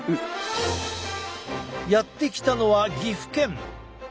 やって来たのは岐阜県。